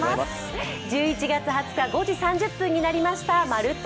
１１月２０日５時３０分になりました「まるっと！